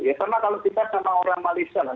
ya karena kalau kita sama orang malaysia lah